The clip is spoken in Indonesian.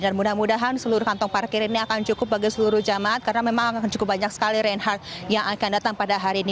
dan mudah mudahan seluruh kantong parkir ini akan cukup bagi seluruh jemaat karena memang cukup banyak sekali renhat yang akan datang pada hari ini